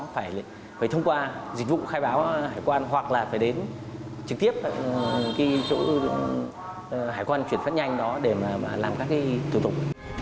phải thông qua dịch vụ khai báo hải quan hoặc là phải đến trực tiếp cái chỗ hải quan chuyển phát nhanh đó để làm các thủ tục